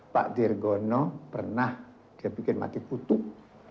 pak dirgono pernah dia bikin mati kutuk